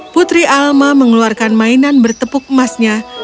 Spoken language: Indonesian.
putri alma mengeluarkan mainan bertepuk emasnya